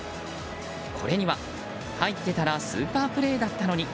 これには、入ってたらスーパープレーだったのに。